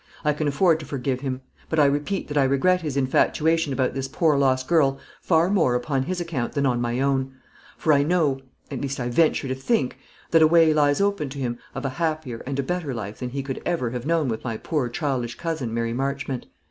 I can afford to forgive him. But I repeat that I regret his infatuation about this poor lost girl far more upon his account than on my own; for I know at least I venture to think that a way lies open to him of a happier and a better life than he could ever have known with my poor childish cousin Mary Marchmont.